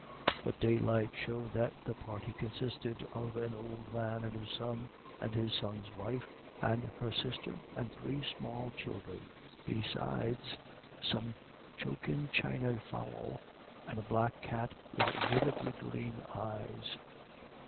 But daylight showed that the party consisted of an old man, and his son, and his son's wife, and her sister, and three small children, besides some cochin china fowl, and a black cat with vividly green eyes.